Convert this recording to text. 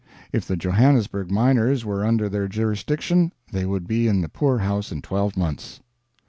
If the Johannesburg miners were under their jurisdiction they would be in the poorhouse in twelve months.